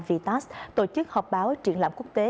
vitas tổ chức họp báo truyện lãm quốc tế